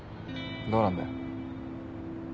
どうなんだよ。